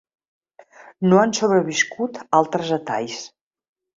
No han sobreviscut altres detalls.